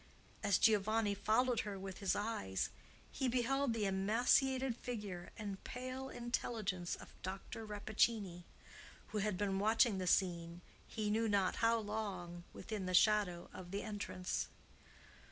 As Giovanni followed her with his eyes, he beheld the emaciated figure and pale intelligence of Dr. Rappaccini, who had been watching the scene, he knew not how long, within the shadow of the entrance.